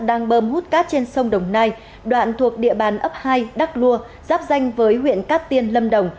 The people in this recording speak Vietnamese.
đang bơm hút cát trên sông đồng nai đoạn thuộc địa bàn ấp hai đắk lua giáp danh với huyện cát tiên lâm đồng